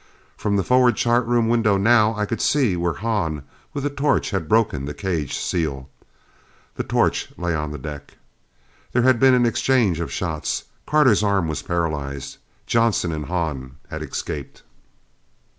From the forward chart room window now I could see where Hahn with a torch had broken the cage seal. The torch lay on the deck. There had been an exchange of shots; Carter's arm was paralyzed; Johnson and Hahn had escaped.